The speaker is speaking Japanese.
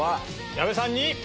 矢部さんに。